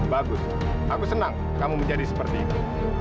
bagus aku senang kamu menjadi seperti itu